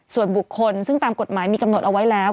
ส่วนบุคคลซึ่งตามกฎหมายมีกำหนดเอาไว้แล้ว